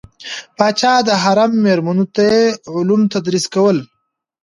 پاچا د حرم میرمنو ته یې علوم تدریس کول.